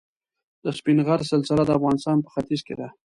د سپین غر سلسله د افغانستان په ختیځ کې ده.